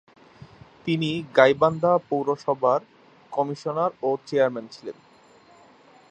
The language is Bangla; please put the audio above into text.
তিনি গাইবান্ধা পৌরসভার কমিশনার ও চেয়ারম্যান ছিলেন।